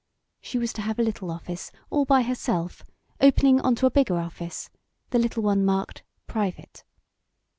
She was to have a little office all by herself, opening on a bigger office the little one marked "Private."